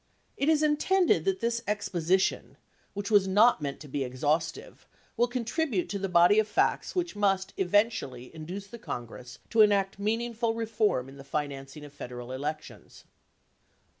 It is intended that this exposition — which was not meant to be ex haustive — will contribute to the body of facts which must eventually induce the Congress to enact meaningful reform in the financing of Federal elections.